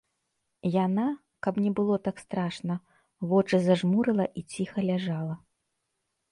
Яна, каб не было так страшна, вочы зажмурыла і ціха ляжала.